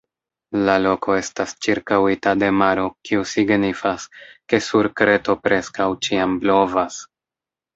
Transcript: La loko estas ĉirkaŭita de maro kiu signifas, ke sur Kreto preskaŭ ĉiam blovas.